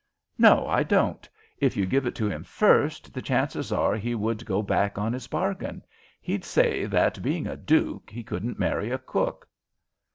"No, I don't. If you give it to him first, the chances are he would go back on his bargain. He'd say that, being a duke, he couldn't marry a cook."